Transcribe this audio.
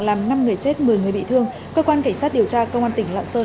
làm năm người chết một mươi người bị thương cơ quan kỳ sát điều tra cơ quan tỉnh lợn sơn